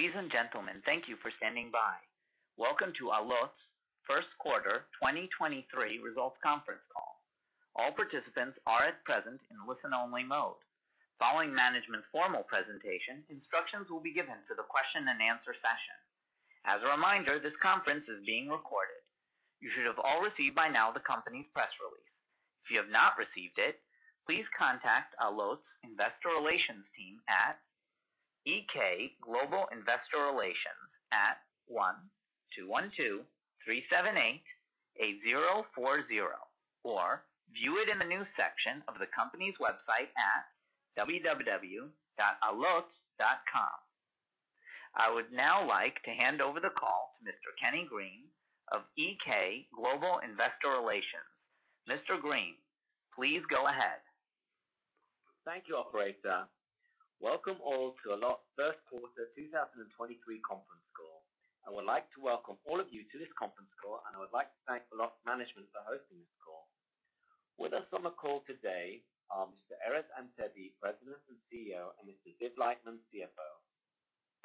Ladies and gentlemen, thank you for standing by. Welcome to Allot's First Quarter 2023 Results Conference Call. All participants are at present in listen-only mode. Following management's formal presentation, instructions will be given for the question and answer session. As a reminder, this conference is being recorded. You should have all received by now the company's press release. If you have not received it, please contact Allot's Investor Relations team at EK Global Investor Relations at 12123788040, or view it in the news section of the company's website at www.allot.com. I would now like to hand over the call to Mr. Kenny Green of EK Global Investor Relations. Mr. Green, please go ahead. Thank you, operator. Welcome all to Allot First Quarter 2023 Conference Call. I would like to welcome all of you to this conference call, and I would like to thank Allot management for hosting this call. With us on the call today are Mr. Erez Antebi, President and CEO, and Mr. Ziv Leitman, CFO.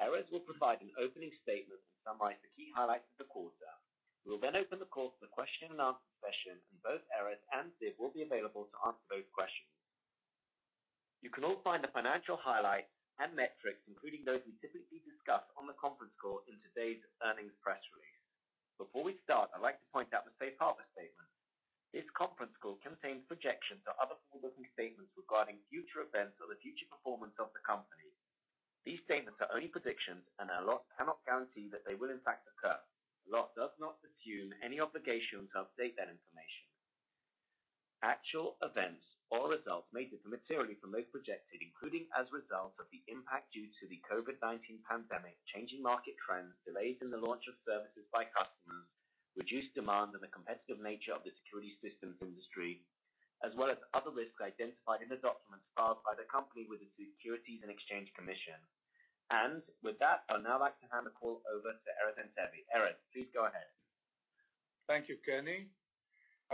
Erez will provide an opening statement and summarize the key highlights of the quarter. We will then open the call to the question and answer session, and both Erez and Ziv will be available to answer those questions. You can all find the financial highlights and metrics, including those we typically discuss on the conference call in today's earnings press release. Before we start, I'd like to point out the safe harbor statement. This conference call contains projections or other forward-looking statements regarding future events or the future performance of the company. These statements are only predictions and Allot cannot guarantee that they will in fact occur. Allot does not assume any obligation to update that information. Actual events or results may differ materially from those projected, including as a result of the impact due to the COVID-19 pandemic, changing market trends, delays in the launch of services by customers, reduced demand and the competitive nature of the security systems industry, as well as other risks identified in the documents filed by the company with the Securities and Exchange Commission. With that, I'd now like to hand the call over to Erez Antebi. Erez, please go ahead. Thank you, Kenny.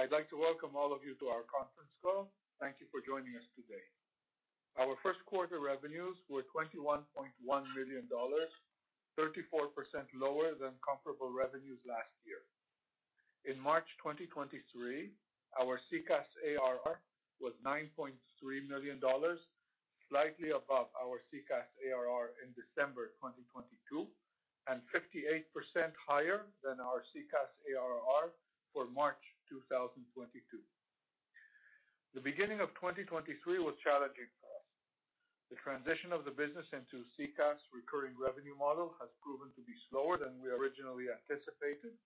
I'd like to welcome all of you to our conference call. Thank you for joining us today. Our first quarter revenues were $21.1 million, 34% lower than comparable revenues last year. In March 2023, our CCaaS ARR was $9.3 million, slightly above our CCaaS ARR in December 2022, and 58% higher than our CCaaS ARR for March 2022. The beginning of 2023 was challenging for us. The transition of the business into CCaaS recurring revenue model has proven to be slower than we originally anticipated.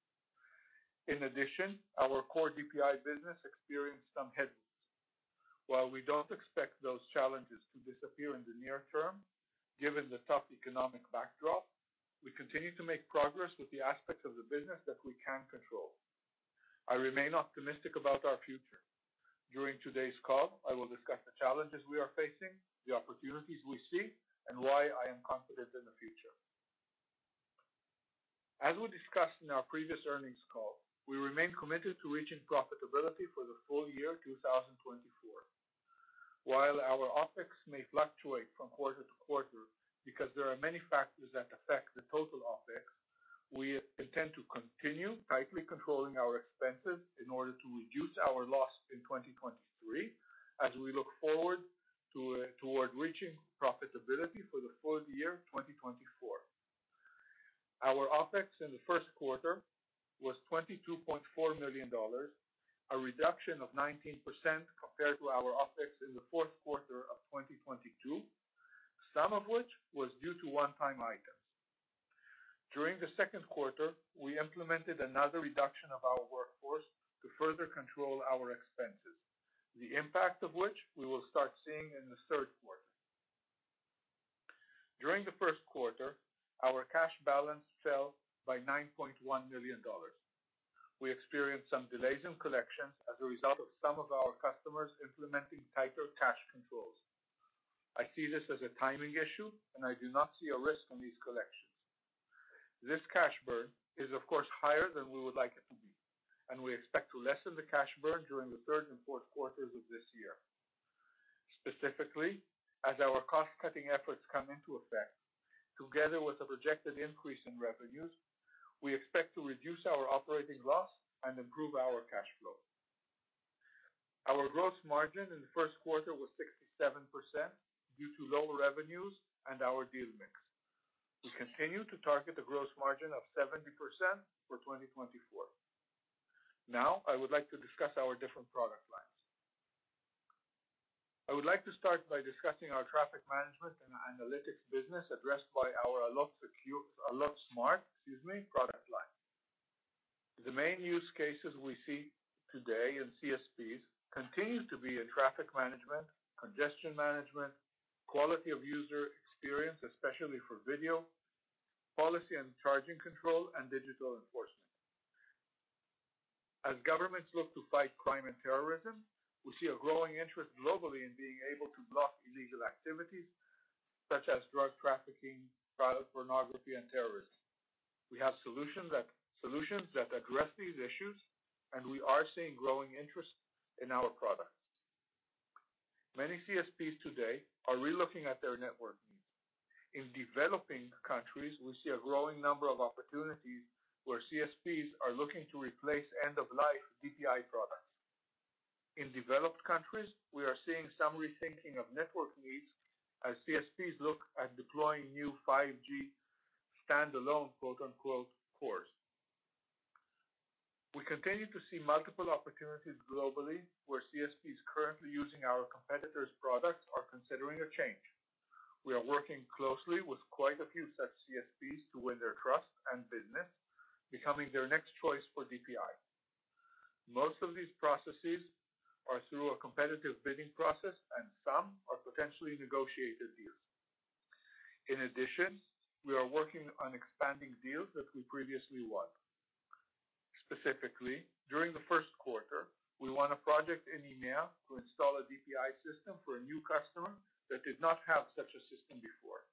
In addition, our core DPI business experienced some headwinds. While we don't expect those challenges to disappear in the near term, given the tough economic backdrop, we continue to make progress with the aspects of the business that we can control. I remain optimistic about our future. During today's call, I will discuss the challenges we are facing, the opportunities we see, and why I am confident in the future. As we discussed in our previous earnings call, we remain committed to reaching profitability for the full year 2024. While our OpEx may fluctuate from quarter to quarter because there are many factors that affect the total OpEx, we intend to continue tightly controlling our expenses in order to reduce our loss in 2023, as we toward reaching profitability for the full year 2024. Our OpEx in the first quarter was $22.4 million, a reduction of 19% compared to our OpEx in the fourth quarter of 2022, some of which was due to one-time items. During the second quarter, we implemented another reduction of our workforce to further control our expenses, the impact of which we will start seeing in the third quarter. During the first quarter, our cash balance fell by $9.1 million. We experienced some delays in collections as a result of some of our customers implementing tighter cash controls. I see this as a timing issue, and I do not see a risk on these collections. This cash burn is of course higher than we would like it to be, and we expect to lessen the cash burn during the third and fourth quarters of this year. Specifically, as our cost-cutting efforts come into effect, together with a projected increase in revenues, we expect to reduce our operating loss and improve our cash flow. Our gross margin in the first quarter was 67% due to lower revenues and our deal mix. We continue to target a gross margin of 70% for 2024. I would like to discuss our different product lines. I would like to start by discussing our traffic management and analytics business addressed by our Allot Smart, excuse me, product line. The main use cases we see today in CSPs continue to be in traffic management, congestion management, quality of user experience, especially for video, policy and charging control, and digital enforcement. As governments look to fight crime and terrorism, we see a growing interest globally in being able to block illegal activities such as drug trafficking, child pornography, and terrorism. We have solutions that address these issues, and we are seeing growing interest in our product. Many CSPs today are relooking at their network needs. In developing countries, we see a growing number of opportunities where CSPs are looking to replace end-of-life DPI products. In developed countries, we are seeing some rethinking of network needs as CSPs look at deploying new 5G standalone, quote-unquote, cores. We continue to see multiple opportunities globally, where CSPs currently using our competitors' products are considering a change. We are working closely with quite a few such CSPs to win their trust and business, becoming their next choice for DPI. Most of these processes are through a competitive bidding process, and some are potentially negotiated deals. In addition, we are working on expanding deals that we previously won. Specifically, during the first quarter, we won a project in EMEA to install a DPI system for a new customer that did not have such a system before.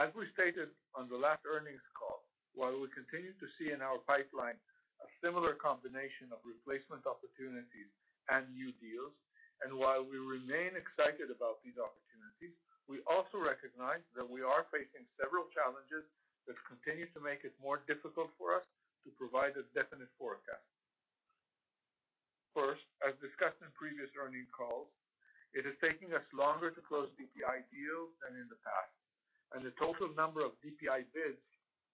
As we stated on the last earnings call, while we continue to see in our pipeline a similar combination of replacement opportunities and new deals, and while we remain excited about these opportunities, we also recognize that we are facing several challenges that continue to make it more difficult for us to provide a definite forecast. First, as discussed in previous earnings calls, it is taking us longer to close DPI deals than in the past, and the total number of DPI bids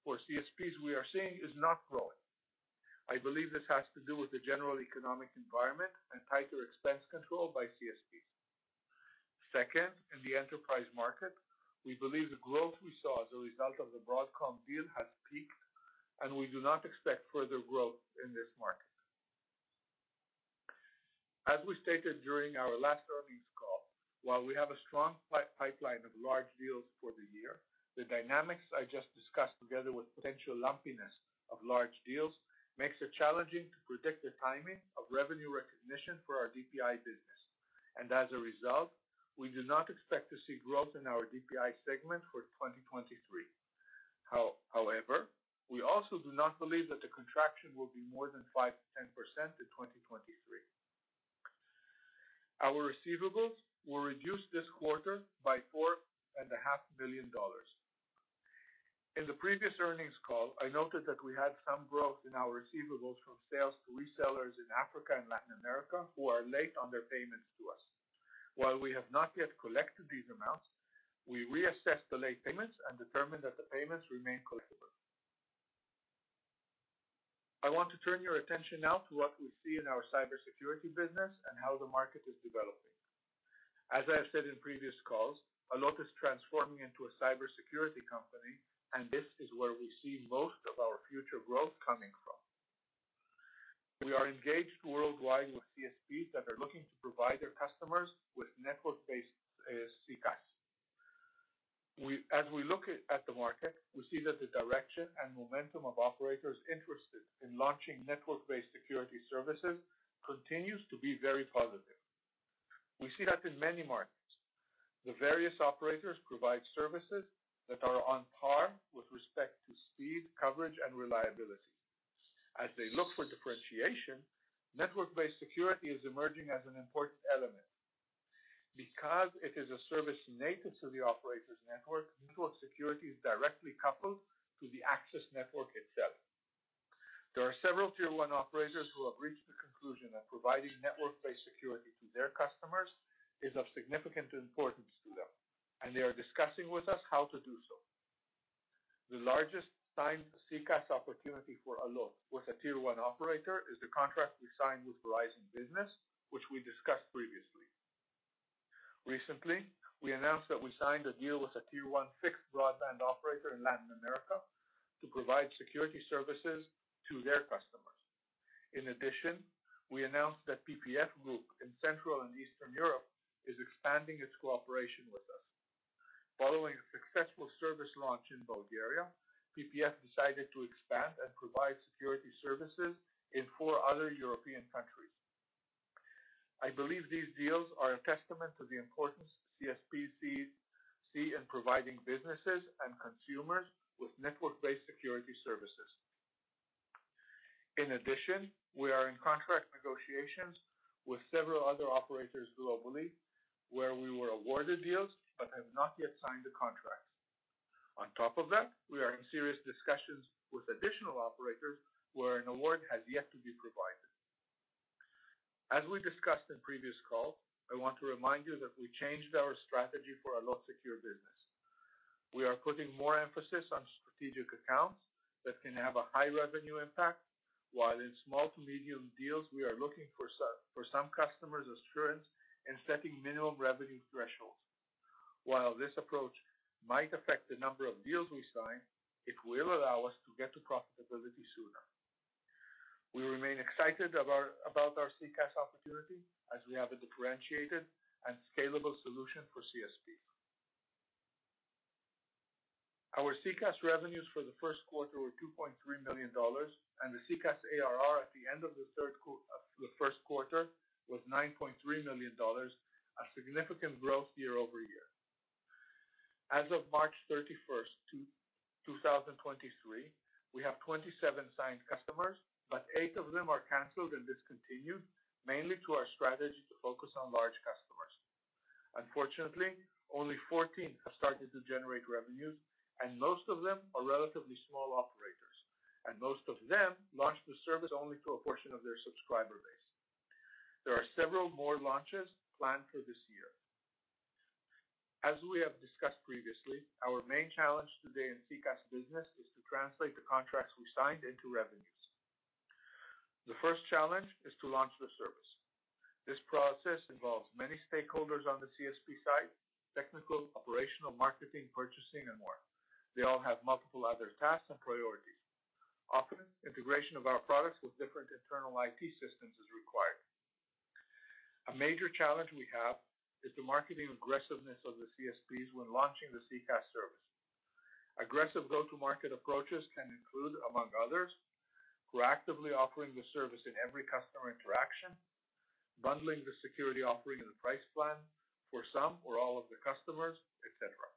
for CSPs we are seeing is not growing. I believe this has to do with the general economic environment and tighter expense control by CSPs. Second, in the enterprise market, we believe the growth we saw as a result of the Broadcom deal has peaked, we do not expect further growth in this market. As we stated during our last earnings call, while we have a strong pipeline of large deals for the year, the dynamics I just discussed, together with potential lumpiness of large deals, makes it challenging to predict the timing of revenue recognition for our DPI business. As a result, we do not expect to see growth in our DPI segment for 2023. However, we also do not believe that the contraction will be more than 5%-10% in 2023. Our receivables were reduced this quarter by four and a half million dollars. In the previous earnings call, I noted that we had some growth in our receivables from sales to resellers in Africa and Latin America who are late on their payments to us. While we have not yet collected these amounts, we reassessed the late payments and determined that the payments remain collectible. I want to turn your attention now to what we see in our cybersecurity business and how the market is developing. As I have said in previous calls, Allot is transforming into a cybersecurity company, and this is where we see most of our future growth coming from. We are engaged worldwide with CSPs that are looking to provide their customers with network-based CCaaS. As we look at the market, we see that the direction and momentum of operators interested in launching network-based security services continues to be very positive. We see that in many markets. The various operators provide services that are on par with respect to speed, coverage, and reliability. As they look for differentiation, network-based security is emerging as an important element. Because it is a service native to the operator's network security is directly coupled to the access network itself. There are several tier one operators who have reached the conclusion that providing network-based security to their customers is of significant importance to them, and they are discussing with us how to do so. The largest signed CCaaS opportunity for Allot with a tier one operator is the contract we signed with Verizon Business, which we discussed previously. Recently, we announced that we signed a deal with a tier one fixed broadband operator in Latin America to provide security services to their customers. We announced that PPF Group in Central and Eastern Europe is expanding its cooperation with us. Following a successful service launch in Bulgaria, PPF decided to expand and provide security services in four other European countries. I believe these deals are a testament to the importance CSPs see in providing businesses and consumers with network-based security services. We are in contract negotiations with several other operators globally where we were awarded deals but have not yet signed the contracts. We are in serious discussions with additional operators where an award has yet to be provided. As we discussed in previous calls, I want to remind you that we changed our strategy for Allot Secure business. We are putting more emphasis on strategic accounts that can have a high revenue impact, while in small to medium deals we are looking for some customers' assurance in setting minimum revenue thresholds. While this approach might affect the number of deals we sign, it will allow us to get to profitability sooner. We remain excited about our CCaaS opportunity as we have a differentiated and scalable solution for CSP. Our CCaaS revenues for the first quarter were $2.3 million, and the CCaaS ARR at the end of the first quarter was $9.3 million, a significant growth year-over-year. As of March 31st, 2023, we have 27 signed customers, but eight of them are canceled and discontinued, mainly to our strategy to focus on large customers. Unfortunately, only 14 have started to generate revenues, and most of them are relatively small operators, and most of them launched the service only to a portion of their subscriber base. There are several more launches planned for this year. As we have discussed previously, our main challenge today in CCaaS business is to translate the contracts we signed into revenues. The first challenge is to launch the service. This process involves many stakeholders on the CSP side, technical, operational, marketing, purchasing, and more. They all have multiple other tasks and priorities. Often, integration of our products with different internal IT systems is required. A major challenge we have is the marketing aggressiveness of the CSPs when launching the CCaaS service. Aggressive go-to-market approaches can include, among others, proactively offering the service in every customer interaction, bundling the security offering in the price plan for some or all of the customers, et cetera.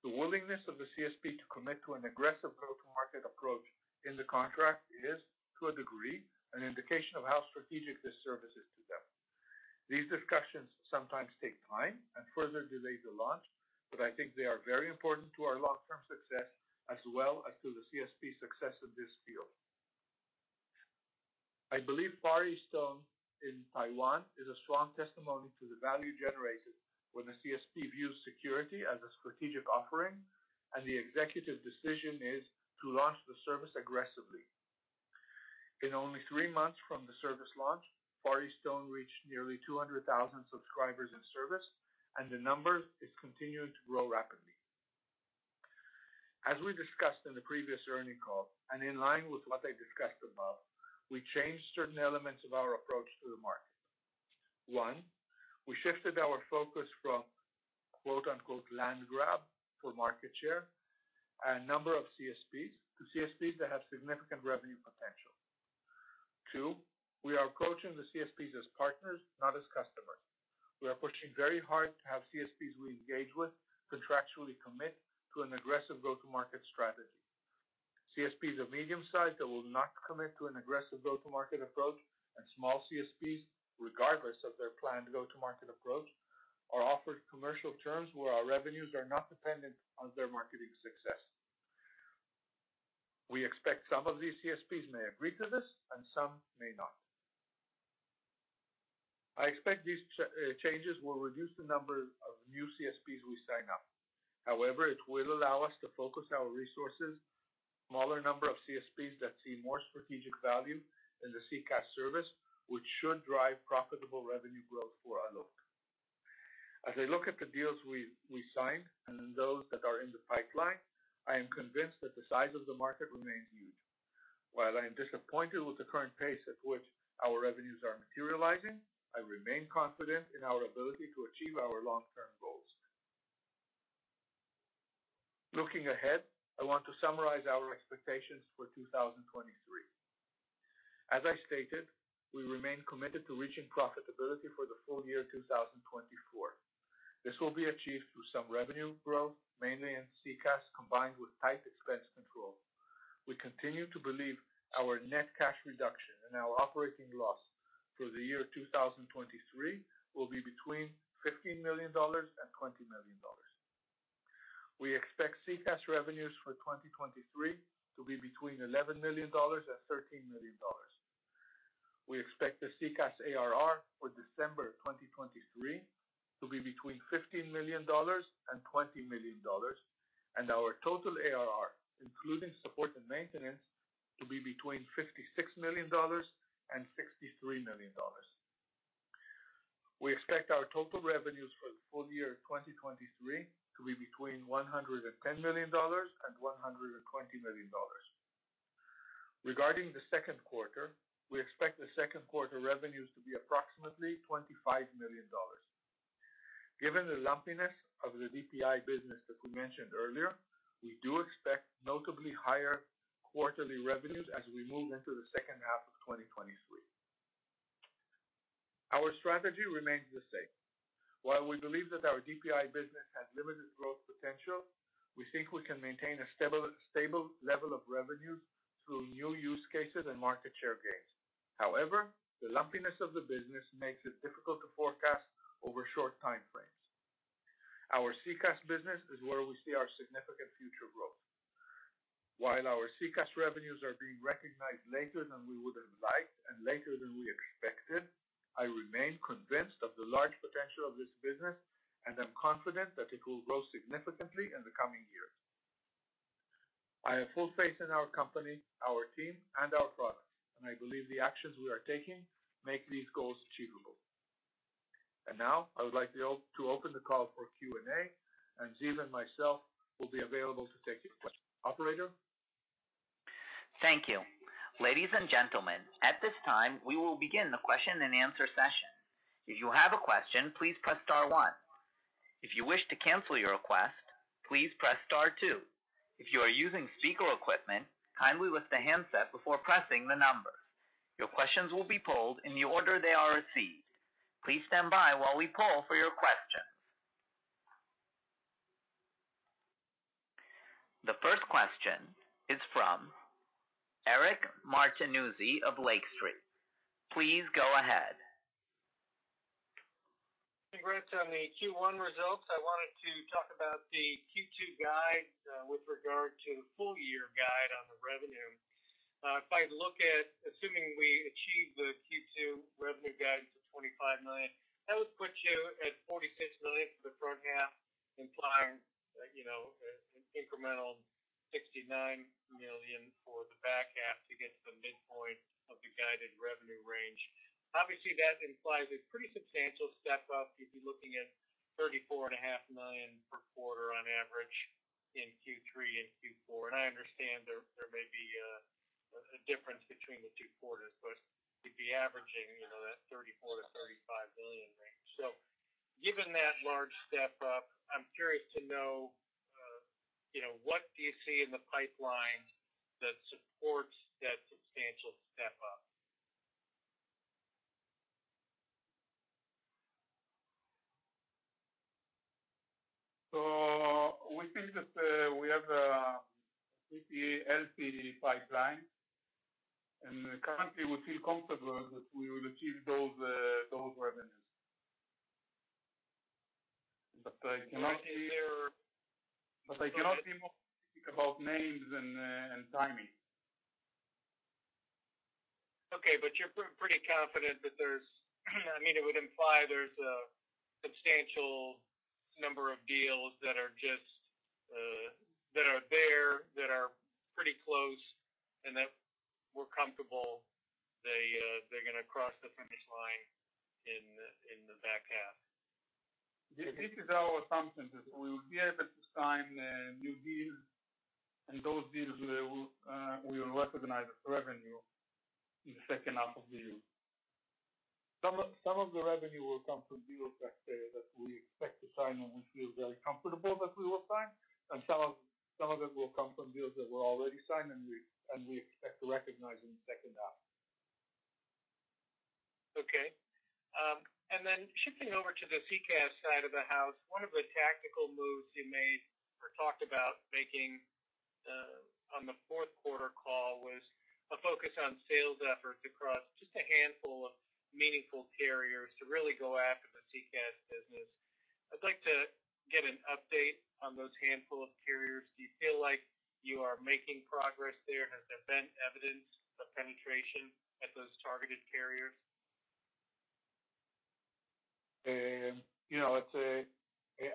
The willingness of the CSP to commit to an aggressive go-to-market approach in the contract is, to a degree, an indication of how strategic this service is to them. These discussions sometimes take time and further delay the launch, I think they are very important to our long-term success, as well as to the CSP success of this deal. I believe Far EasTone in Taiwan is a strong testimony to the value generated when a CSP views security as a strategic offering, and the executive decision is to launch the service aggressively. In only three months from the service launch, Far EasTone reached nearly 200,000 subscribers in service, and the number is continuing to grow rapidly. As we discussed in the previous earning call, and in line with what I discussed above, we changed certain elements of our approach to the market. One, we shifted our focus from quote-unquote "land grab" for market share and number of CSPs to CSPs that have significant revenue potential. Two, we are approaching the CSPs as partners, not as customers. We are pushing very hard to have CSPs we engage with contractually commit to an aggressive go-to-market strategy. CSPs of medium size that will not commit to an aggressive go-to-market approach, and small CSPs, regardless of their planned go-to-market approach, are offered commercial terms where our revenues are not dependent on their marketing success. We expect some of these CSPs may agree to this and some may not. I expect these changes will reduce the number of new CSPs we sign up. It will allow us to focus our resources, smaller number of CSPs that see more strategic value in the CCaaS service, which should drive profitable revenue growth for Allot. As I look at the deals we signed and those that are in the pipeline, I am convinced that the size of the market remains huge. While I am disappointed with the current pace at which our revenues are materializing, I remain confident in our ability to achieve our long-term goals. Looking ahead, I want to summarize our expectations for 2023. As I stated, we remain committed to reaching profitability for the full year 2024. This will be achieved through some revenue growth, mainly in CCaaS, combined with tight expense control. We continue to believe our net cash reduction and our operating loss through the year 2023 will be between $15 million and $20 million. We expect CCaaS revenues for 2023 to be between $11 million and $13 million. We expect the CCaaS ARR for December 2023 to be between $15 million and $20 million, and our total ARR, including support and maintenance, to be between $56 million and $63 million. We expect our total revenues for the full year 2023 to be between $110 million and $120 million. Regarding the second quarter, we expect the second quarter revenues to be approximately $25 million. Given the lumpiness of the DPI business that we mentioned earlier, we do expect notably higher quarterly revenues as we move into the second half of 2023. Our strategy remains the same. While we believe that our DPI business has limited growth potential, we think we can maintain a stable level of revenues through new use cases and market share gains. The lumpiness of the business makes it difficult to forecast over short time frames. Our CCaaS business is where we see our significant future growth. While our CCaaS revenues are being recognized later than we would have liked and later than we expected, I remain convinced of the large potential of this business, and I'm confident that it will grow significantly in the coming years. I have full faith in our company, our team, and our products, and I believe the actions we are taking make these goals achievable. Now I would like to open the call for Q&A. Ziv and myself will be available to take your questions. Operator? Thank you. Ladies and gentlemen, at this time, we will begin the question-and-answer session. If you have a question, please press star one. If you wish to cancel your request, please press star two. If you are using speaker equipment, kindly lift the handset before pressing the number. Your questions will be polled in the order they are received. Please stand by while we poll for your questions. The first question is from Eric Martinuzzi of Lake Street. Please go ahead. Congrats on the Q1 results. I wanted to talk about the Q2 guide with regard to full-year guide on the revenue. If I look at, assuming we achieve the Q2 revenue guidance of $25 million, that would put you at $46 million for the front half, implying, you know, an incremental $69 million for the back half to get to the midpoint of the guided revenue range. Obviously, that implies a pretty substantial step up. You'd be looking at $34.5 million per quarter on average in Q3 and Q4. I understand there may be a difference between the two quarters, but you'd be averaging, you know, that $34 million-$35 million range. Given that large step up, I'm curious to know, you know, what do you see in the pipeline that supports that substantial step up? We think that, we have a pretty healthy pipeline. Currently, we feel comfortable that we will achieve those revenues. Do you see there. I cannot be more specific about names and timing. Okay. You're pretty confident that there's, I mean, it would imply there's a substantial number of deals that are just, that are there, that are pretty close, and that we're comfortable they're gonna cross the finish line in the back half. This is our assumption, that we will be able to sign new deals, and those deals we will recognize as revenue in the second half of the year. Some of the revenue will come from deals that we expect to sign and we feel very comfortable that we will sign. Some of it will come from deals that were already signed, and we expect to recognize in the second half. Shifting over to the CCaaS side of the house, one of the tactical moves you made or talked about making on the fourth quarter call was a focus on sales efforts across just a handful of meaningful carriers to really go after the CCaaS business. I'd like to get an update on those handful of carriers. Do you feel like you are making progress there? Has there been evidence of penetration at those targeted carriers? You know, let's say,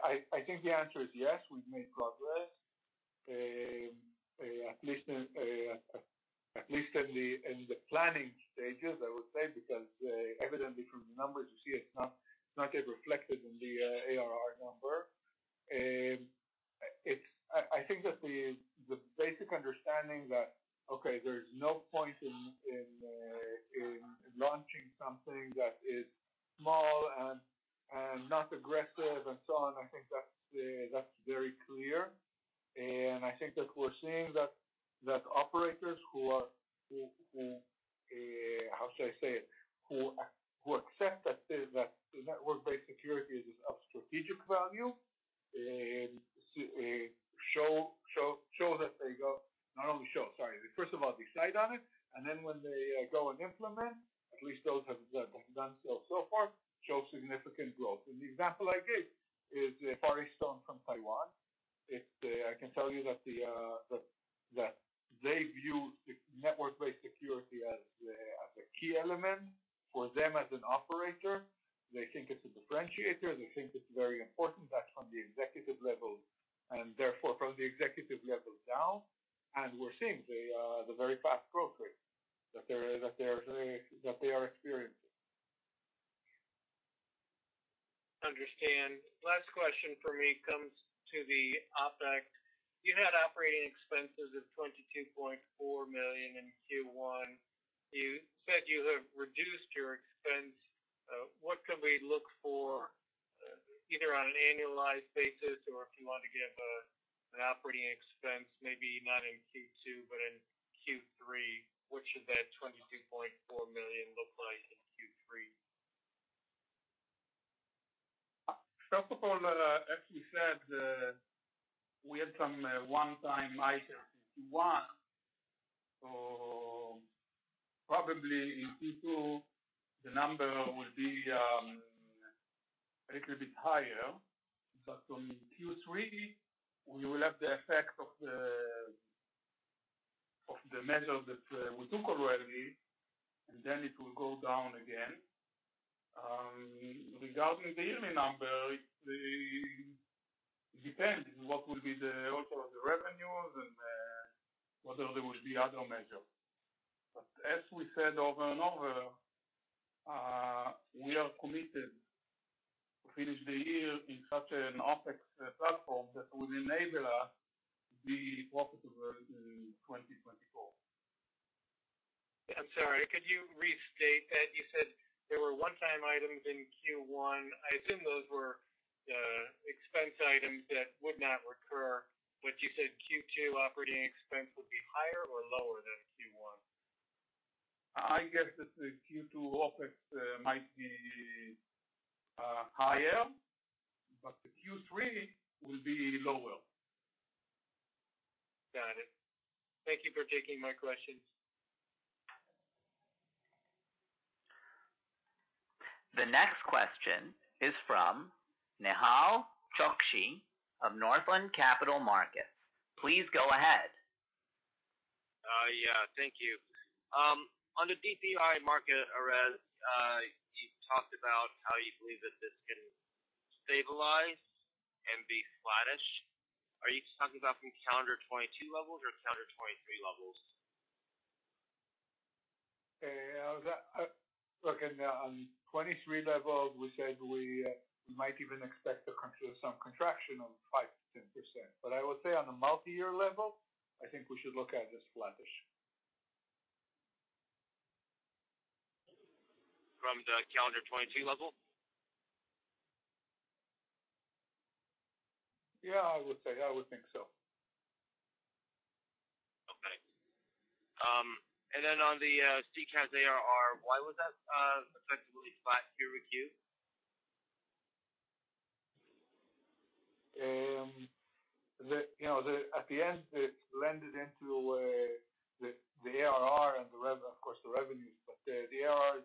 I think the answer is yes, we've made progress. At least in, at least in the planning stages, First of all, as we said, we had some one-time items in Q1. Probably in Q2, the number will be a little bit higher. On Q3, we will have the effect of the, of the measures that we took already, and then it will go down again. Regarding the yearly number, it depends what will be the outlook of the revenues and whether there will be other measures. As we said over and over, we are committed to finish the year in such an OpEx platform that will enable us to be profitable in 2024. I'm sorry. Could you restate that? You said there were one-time items in Q1. I assume those were expense items that would not recur, but you said Q2 operating expense would be higher or lower than Q1? I guess that the Q2 OpEx might be higher. The Q3 will be lower. Got it. Thank you for taking my questions. The next question is from Nehal Chokshi of Northland Capital Markets. Please go ahead. Yeah, thank you. On the DPI market, Erez, you talked about how you believe that this can stabilize and be flattish. Are you talking about from calendar 2022 levels or calendar 2023 levels? Look, on 23 levels, we said we might even expect the country of some contraction of 5%-10%. I would say on the multi-year level, I think we should look at this flattish. From the calendar 2022 level? Yeah, I would say. I would think so. Okay. On the CCaaS ARR, why was that effectively flat Q to Q? The, you know, at the end, it blended into the ARR and the rev, of course, the revenues, but the ARR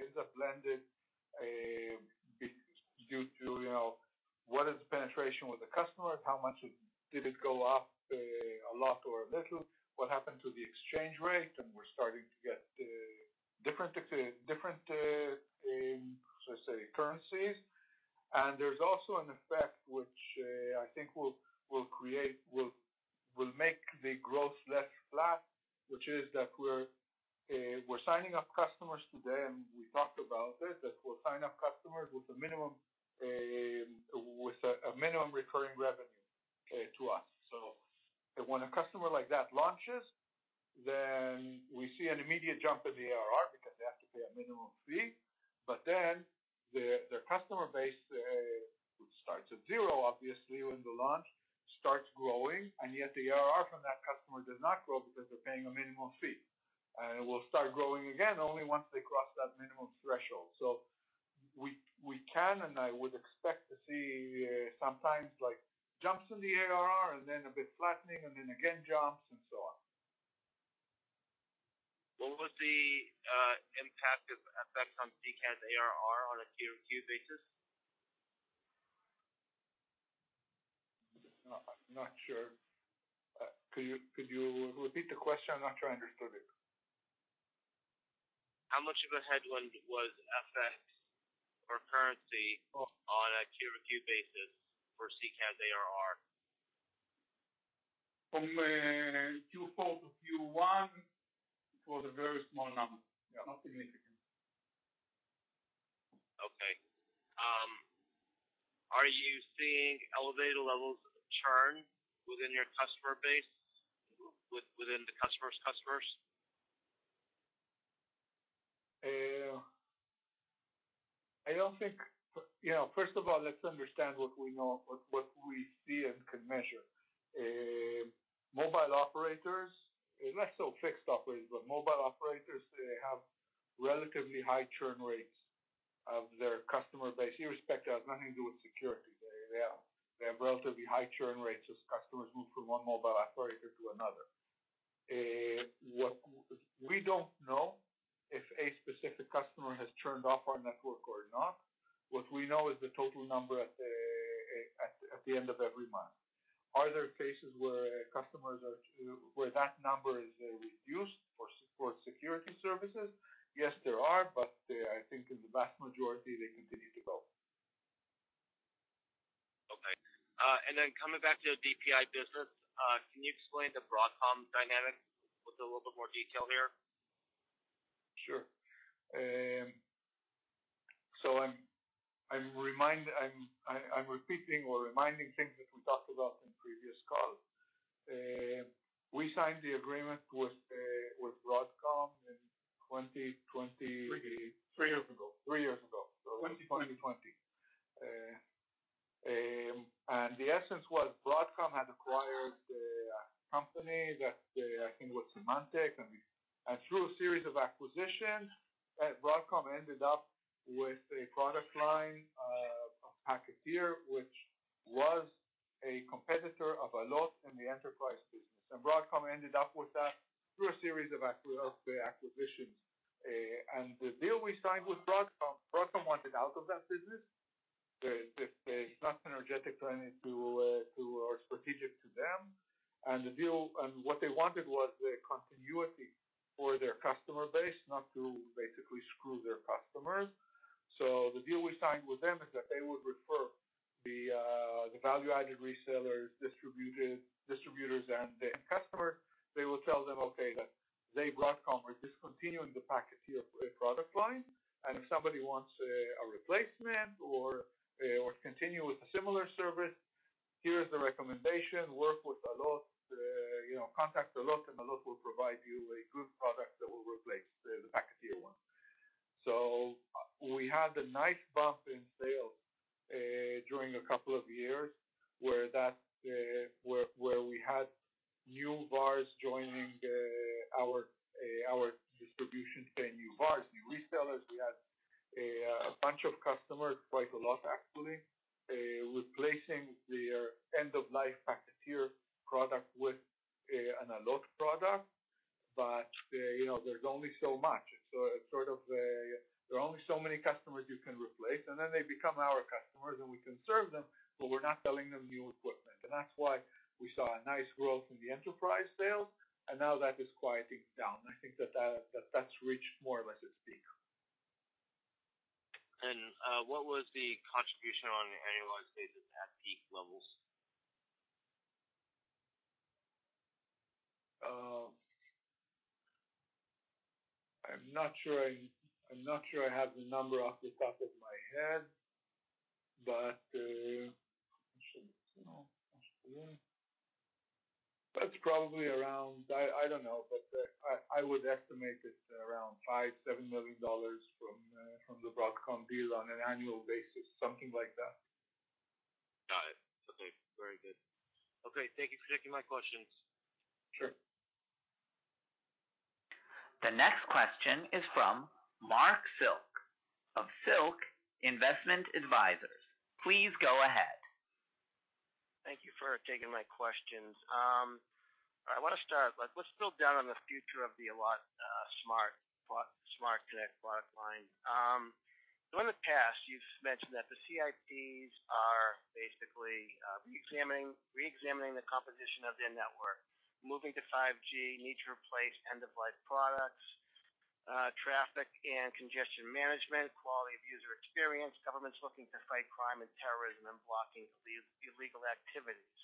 is a blended due to, you know, what is the penetration with the customer? How much did it go up, a lot or a little? What happened to the exchange rate? We're starting to get different, so to say, currencies. There's also an effect which, I think will create, will make the growth less flat, which is that we're signing up customers today, and we talked about it, that we'll sign up customers with a minimum, with a minimum recurring revenue, to us. When a customer like that launches, then we see an immediate jump in the ARR because they have to pay a minimum fee. The, their customer base, starts at zero, obviously, when the launch starts growing, and yet the ARR from that customer does not grow because they're paying a minimum fee. It will start growing again only once they cross that minimum threshold. We can, and I would expect to see sometimes, like, jumps in the ARR and then a bit flattening and then again jumps and so on. What was the impact of FX on CCaaS ARR on a Q to Q basis? Not sure. Could you repeat the question? I'm not sure I understood it. How much of a headwind was FX or currency? Oh. On a Q-over-Q basis for CCaaS ARR? From, Q4 to Q1, it was a very small number. Yeah. Not significant. Okay. Are you seeing elevated levels of churn within your customer base, within the customer's customers? I don't think... You know, first of all, let's understand what we know, what we see and can measure. Mobile operators, less so fixed operators, mobile operators, they have relatively high churn rates of their customer base. Irrespective, it has nothing to do with security. They have relatively high churn rates as customers move from one mobile operator to another. We don't know if a specific customer has churned off our network or not. What we know is the total number at the end of every month. Are there cases where customers where that number is reduced for security services? Yes, there are, I think in the vast majority, they continue to grow. Okay. Coming back to the DPI business, can you explain the Broadcom dynamic with a little bit more detail there? Sure. I'm repeating or reminding things that we talked about in previous calls. We signed the agreement with Broadcom in twenty twenty. Three years ago. Three years ago. 2020. The essence was Broadcom had acquired a company that, I think was Symantec. Through a series of acquisitions, Broadcom ended up with a product line of Packeteer, which was a competitor of Allot in the enterprise business. Broadcom ended up with that through a series of acquisitions. The deal we signed with Broadcom wanted out of that business. It's not synergetic to any or strategic to them. What they wanted was a continuity for their customer base, not to basically screw their customers. The deal we signed with them is that they would refer the value-added resellers, distributors and the end customer. They will tell them, okay, that they, Broadcom, are discontinuing the Packeteer product line. If somebody wants a replacement or continue with a similar service, here is the recommendation. Work with Allot. You know, contact Allot, and Allot will provide you a good product that will replace the Packeteer one. We had a nice bump in sales during a couple of years where we had new VARs joining our distribution team, new VARs, new resellers. We had a bunch of customers, quite a lot actually, replacing their end-of-life Packeteer product with an Allot product. You know, there's only so much. Sort of, there are only so many customers you can replace, and then they become our customers, and we can serve them, but we're not selling them new equipment. That's why we saw a nice growth in the enterprise sales, and now that is quieting down. I think that's reached more or less its peak. What was the contribution on an annualized basis at peak levels? I'm not sure I have the number off the top of my head, but that's probably around, I don't know, but I would estimate it around $5 million-$7 million from the Broadcom deal on an annual basis, something like that. Got it. Okay. Very good. Okay. Thank you for taking my questions. Sure. The next question is from Marc Silk of Silk Investment Advisors. Please go ahead. Thank you for taking my questions. I wanna start, like, let's drill down on the future of the Allot SmartPCC product line. In the past, you've mentioned that the CSPs are basically reexamining the composition of their network, moving to 5G, need to replace end-of-life products, traffic and congestion management, quality of user experience, governments looking to fight crime and terrorism and blocking illegal activities.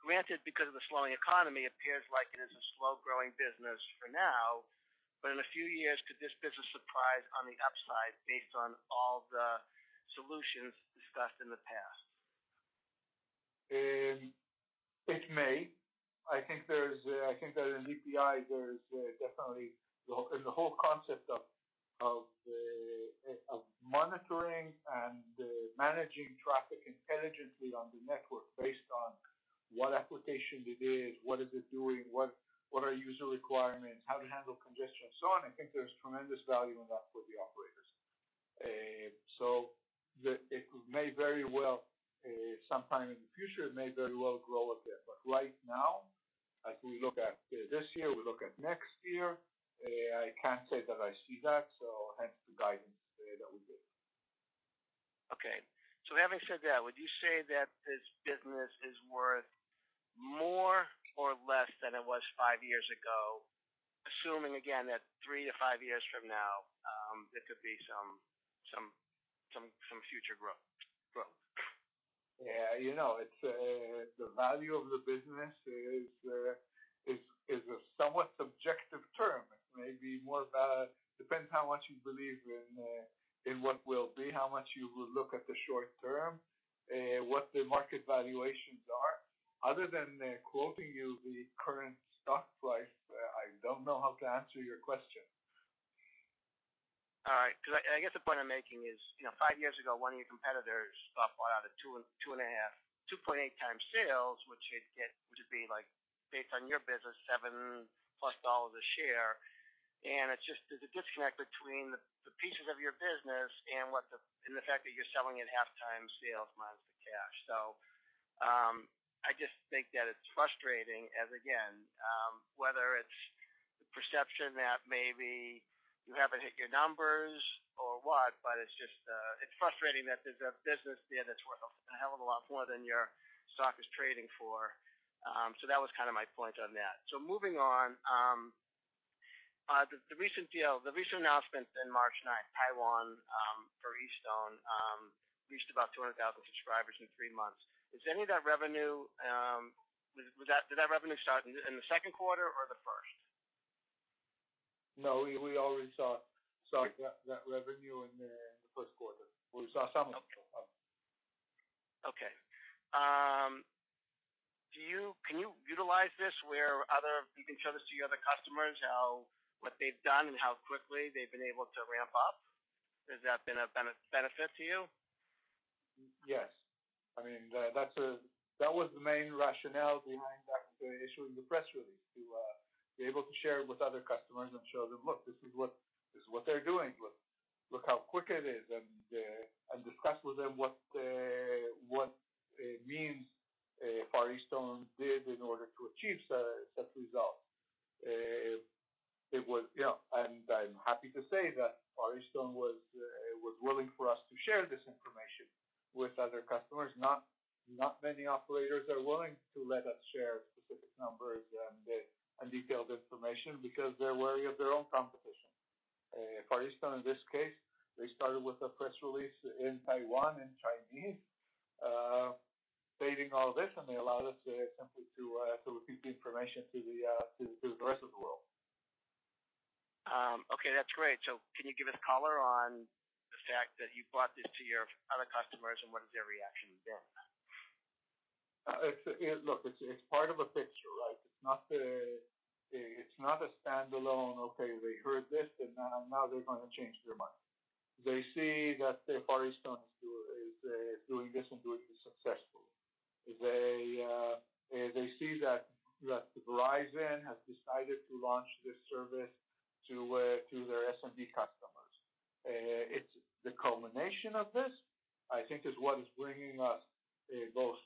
Granted because of the slowing economy, appears like it is a slow-growing business for now, but in a few years, could this business surprise on the upside based on all the solutions discussed in the past? It may. I think there's I think that in DPI there's definitely in the whole concept of monitoring and managing traffic intelligently on the network based on what application it is, what is it doing, what are user requirements, how to handle congestion and so on, I think there's tremendous value in that for the operators. It may very well, sometime in the future, it may very well grow a bit. Right now, as we look at this year, we look at next year, I can't say that I see that, hence the guidance that we give. Having said that, would you say that this business is worth more or less than it was 5 years ago, assuming again that 3 to 5 years from now, there could be some future growth? Yeah, you know, it's, the value of the business is a somewhat subjective term. It may be more about depends how much you believe in what will be, how much you will look at the short term, what the market valuations are. Other than, quoting you the current stock price, I don't know how to answer your question. All right. 'Cause I guess the point I'm making is, you know, 5 years ago, one of your competitors bought out at 2 and, 2.5, 2.8 times sales, which would be like based on your business, $7+ a share. It's just, there's a disconnect between the pieces of your business and what the fact that you're selling it 0.5 times sales minus the cash. I just think that it's frustrating as, again, whether it's the perception that maybe you haven't hit your numbers or what, but it's just, it's frustrating that there's a business there that's worth a hell of a lot more than your stock is trading for. That was kinda my point on that. Moving on, the recent deal, the recent announcement in March 9th, Taiwan, for Far EasTone, reached about 200,000 subscribers in 3 months. Is any of that revenue, Did that revenue start in the second quarter or the first? No, we already saw that revenue in the first quarter. We saw some of it. Okay. Can you utilize this? You can show this to your other customers, how, what they've done and how quickly they've been able to ramp up? Has that been a benefit to you? Yes. I mean, That was the main rationale behind that, issuing the press release, to be able to share it with other customers and show them, "Look, this is what they're doing. Look, look how quick it is," and discuss with them what it means, Far EasTone did in order to achieve such result. You know, and I'm happy to say that Far EasTone was willing for us to share this information with other customers. Not many operators are willing to let us share specific numbers and detailed information because they're wary of their own competition. Far EasTone in this case, they started with a press release in Taiwan in Chinese, stating all this, and they allowed us simply to repeat the information to the rest of the world. Okay, that's great. Can you give us color on the fact that you brought this to your other customers and what has their reaction been? It's, it's part of a picture, right? It's not a standalone, okay, they heard this and now they're gonna change their mind. They see that Verizon is doing this and doing it successfully. They see that Verizon has decided to launch this service to their SMB customers. It's the culmination of this, I think is what is bringing us those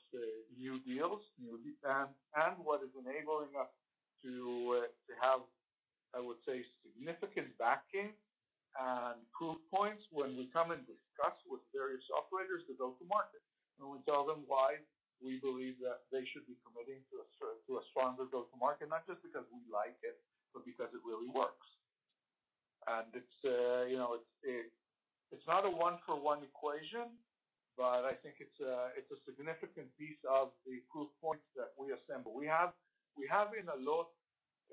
new deals and what is enabling us to have, I would say, significant backing and proof points when we come and discuss with various operators the go-to-market. We tell them why we believe that they should be committing to a stronger go-to-market, not just because we like it, but because it really works. It's, you know, it's not a one-for-one equation, but I think it's a, it's a significant piece of the proof points that we assemble. We have in Allot,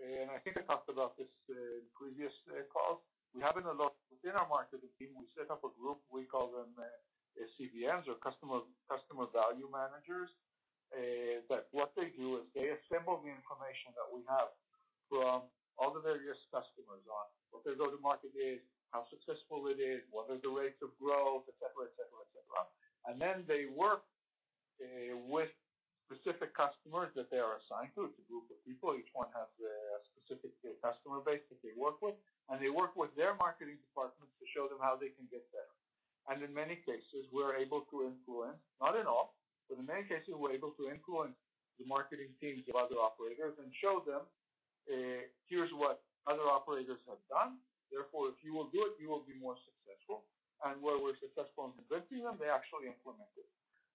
and I think I talked about this in previous calls. We have in Allot within our marketing team, we set up a group, we call them CVMs or customer value managers. That what they do is they assemble the information that we have from all the various customers on what their go-to-market is, how successful it is, what is the rate of growth, et cetera, et cetera, et cetera. Then they work with specific customers that they are assigned to. It's a group of people. Each one has a specific customer base that they work with, and they work with their marketing departments to show them how they can get there. In many cases, we're able to influence, not in all, but in many cases, we're able to influence the marketing teams of other operators and show them, here's what other operators have done. Therefore, if you will do it, you will be more successful. Where we're successful in convincing them, they actually implement it.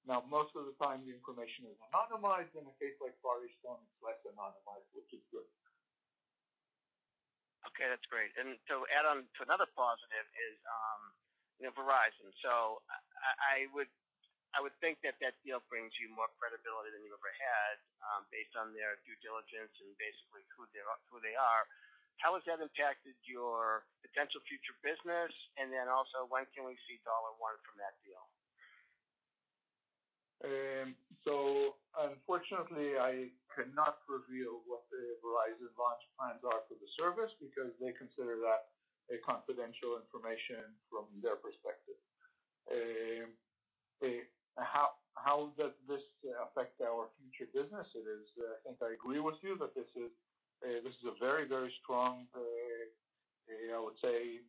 Most of the time the information is anonymized. In a case like Far EasTone, it's less anonymized, which is good. Okay, that's great. To add on to another positive is, you know, Verizon. I would think that that deal brings you more credibility than you ever had, based on their due diligence and basically who they are. How has that impacted your potential future business? When can we see dollar one from that deal? Unfortunately, I cannot reveal what the Verizon launch plans are for the service because they consider that a confidential information from their perspective. How does this affect our future business? It is, I think I agree with you that this is, this is a very, very strong, you know, let's say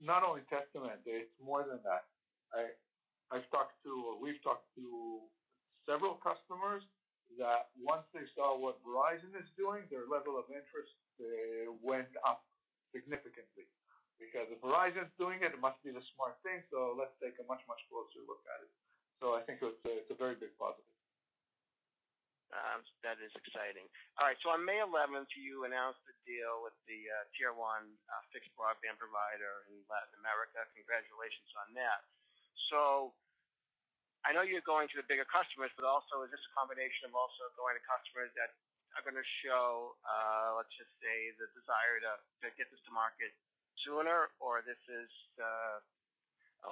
not only testament, it's more than that. We've talked to several customers that once they saw what Verizon is doing, their level of interest went up significantly. If Verizon's doing it must be the smart thing, let's take a much, much closer look at it. I think it's a very big positive. That is exciting. All right. On May 11th, you announced the deal with the tier one fixed broadband provider in Latin America. Congratulations on that. I know you're going to the bigger customers, but also is this a combination of also going to customers that are gonna show, let's just say, the desire to get this to market sooner, or this is,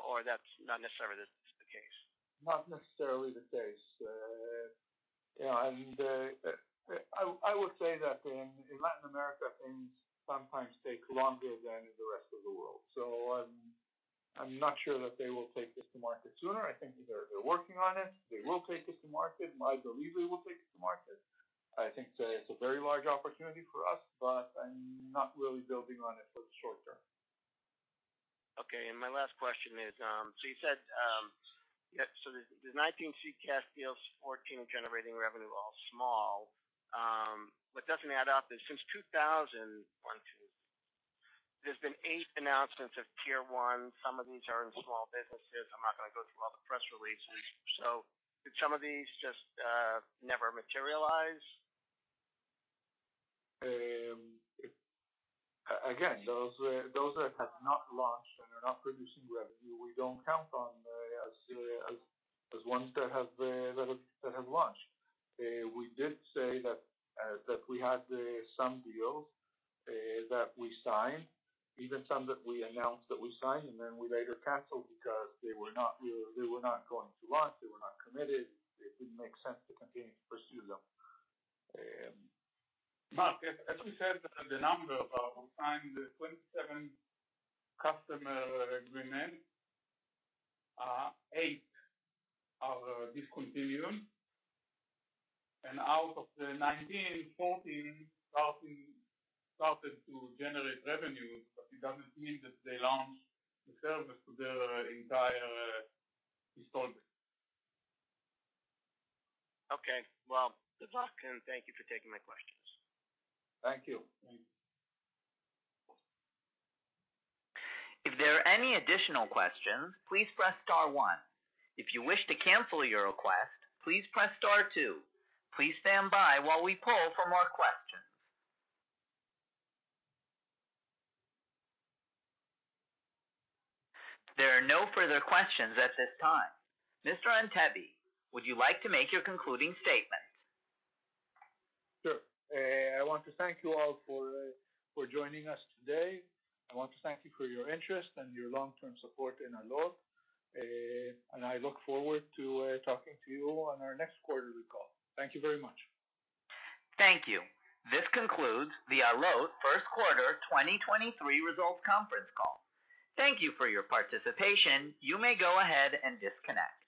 or that's not necessarily the case? Not necessarily the case. you know, and, I would say that in Latin America, things sometimes take longer than in the rest of the world. I'm not sure that they will take this to market sooner. I think they're working on it. They will take this to market. I believe they will take it to market. I think, it's a very large opportunity for us, but I'm not really building on it for the short term. Okay. My last question is, so you said, yep, so the 19 CCaaS deals, 14 generating revenue, all small. What doesn't add up is since 2022, there's been 8 announcements of tier one. Some of these are in small businesses. I'm not gonna go through all the press releases. Did some of these just never materialize? Again, those that have not launched and are not producing revenue, we don't count on as ones that have launched. We did say that we had some deals that we signed, even some that we announced that we signed and then we later canceled because they were not real. They were not going to launch. They were not committed. It didn't make sense to continue to pursue them. Marc, as we said, the number of, we signed 27 customer agreements, 8 are discontinued. Out of the 19, 14 started to generate revenue, but it doesn't mean that they launched the service to their entire install base. Okay. Well, good luck, and thank you for taking my questions. Thank you. Thank you. If there are any additional questions, please press star one. If you wish to cancel your request, please press star two. Please stand by while we poll for more questions. There are no further questions at this time. Mr. Antebi, would you like to make your concluding statement? Sure. I want to thank you all for joining us today. I want to thank you for your interest and your long-term support in Allot. I look forward to talking to you on our next quarterly call. Thank you very much. Thank you. This concludes the Allot first quarter 2023 results conference call. Thank you for your participation. You may go ahead and disconnect.